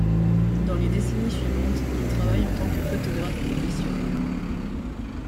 Dans les décennies suivantes, il travaille en tant que photographe professionnel.